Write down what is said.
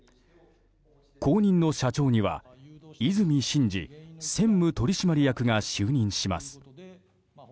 後任の社長には和泉伸二専務取締役が就任します。